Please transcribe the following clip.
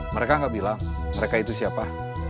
mereka nggak bilang mereka itu siapa